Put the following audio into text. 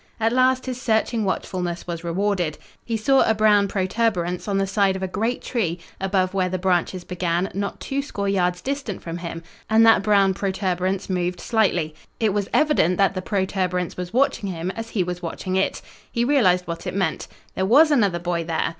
At last his searching watchfulness was rewarded. He saw a brown protuberance on the side of a great tree, above where the branches began, not twoscore yards distant from him, and that brown protuberance moved slightly. It was evident that the protuberance was watching him as he was watching it. He realized what it meant. There was another boy there!